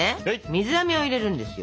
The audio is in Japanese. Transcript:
水あめを入れるんですよ。